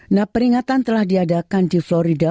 nah peringatan telah diadakan di florida